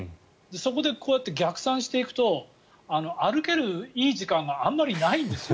そこでこうやって逆算していくと歩けるいい時間があんまりないんですよ。